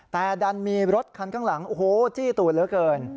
แต่ดันมีรถคันข้างหลังโอ้โหจี้ตูดเหลือเกิน